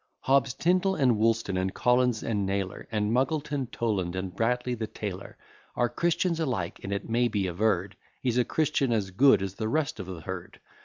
Hobbes, Tindal, and Woolston, and Collins, and Nayler, And Muggleton, Toland, and Bradley the tailor, Are Christians alike; and it may be averr'd, He's a Christian as good as the rest of the herd.